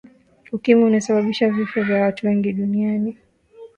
ukimwi unasababisha vifo vya watu wengi duniani